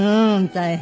大変。